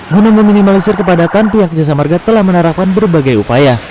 menurut meminimalisir kepadatan pihak jasa markah telah menarakan berbagai upaya